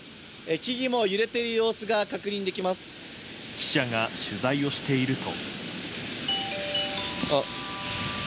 記者が取材をしていると。